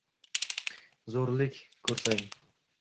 Zo’rlik ko’rsang